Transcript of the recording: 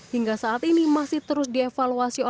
hingga saat ini masih terus dievaluasi